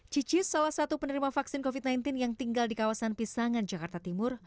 cicis salah satu penerima vaksin covid sembilan belas yang tinggal di kawasan pisangan jakarta timur